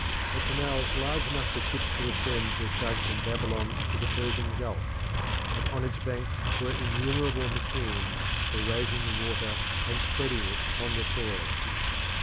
A canal large enough for ships to ascend was dug from Babylon to the Persian Gulf, and on its banks were innumerable machines for raising the water and spreading it upon the soil.